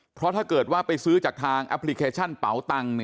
เพราะถ้าเกิดว่าไปซื้อจากทางแอปพลิเคชันเป๋าตังค์